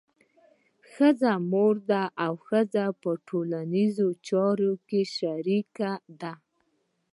ښځه مور ده او مور په ټولنیزو چارو کې شریکه ده.